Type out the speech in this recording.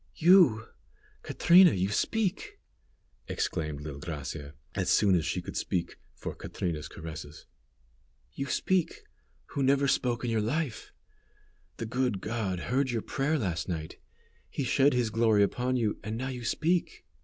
"You! Catrina, you speak!" exclaimed little Gracia, as soon as she could speak, for Catrina's caresses. "You speak, who never spoke in your life. The good God heard your prayer last night. He shed His glory upon you, and now you speak."